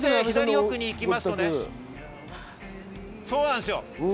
そうなんですよ。